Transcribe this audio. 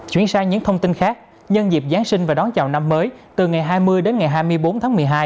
chuyển sang những thông tin khác nhân dịp giáng sinh và đón chào năm mới từ ngày hai mươi đến ngày hai mươi bốn tháng một mươi hai